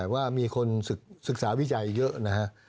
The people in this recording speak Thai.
ว่ามีคนศึกษาวิจัยเยอะนะฮะ